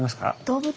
動物？